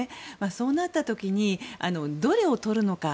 そうなった時にどれを取るのか。